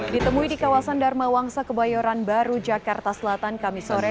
ditemui di kawasan dharma wangsa kebayoran baru jakarta selatan kami sore